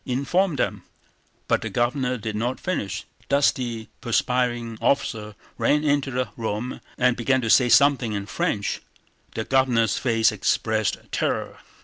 Inform them..." But the Governor did not finish: a dusty perspiring officer ran into the room and began to say something in French. The Governor's face expressed terror.